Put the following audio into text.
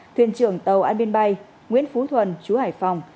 thuyền trưởng tàu an biên bay nguyễn phú thuần chú hải phòng